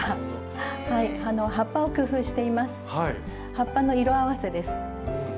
葉っぱの色合わせです。